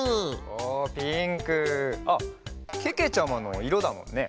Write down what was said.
おおピンク！あっけけちゃまのいろだもんね。